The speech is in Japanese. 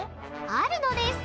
あるのです！